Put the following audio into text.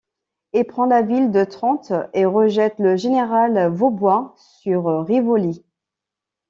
Il prend la ville de Trente et rejette le général Vaubois sur Rivoli.